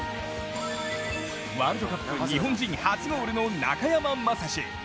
ワールドカップ日本人初ゴールの中山雅史。